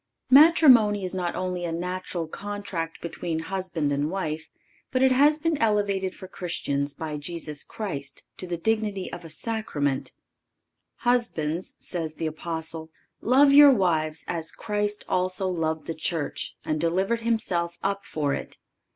Matrimony is not only a natural contract between husband and wife, but it has been elevated for Christians, by Jesus Christ, to the dignity of a Sacrament: "Husbands," says the Apostle, "love your wives, as Christ also loved the Church and delivered Himself up for it